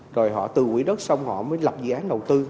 rồi họ từ quỹ đất sông họ mới lập dự án đầu tư